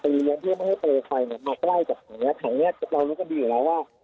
ไปเลี้ยงที่มันให้เตยไฟเนี้ยมาใกล้กับถังเนี้ยถังเนี้ยเรารู้กันดีแล้วว่า